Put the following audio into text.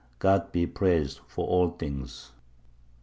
God be praised for all things.